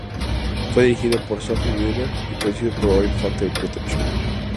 Fue dirigido por Sophie Muller y producido por Oil Factory Production.